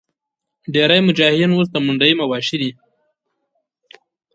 ډېری مجاهدین اوس د منډیي مواشي دي.